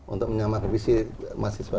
untuk menyamakan visi mahasiswa